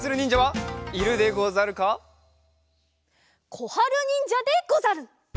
こはるにんじゃでござる！